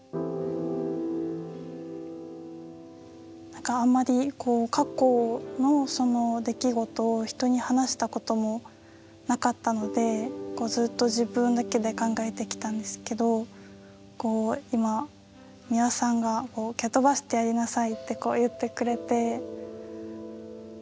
何かあんまり過去の出来事を人に話したこともなかったのでずっと自分だけで考えてきたんですけど今美輪さんが「蹴飛ばしてやりなさい」って言ってくれて。